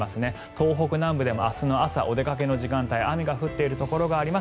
東北南部でも明日の朝お出かけの時間帯雨が降っているところがあります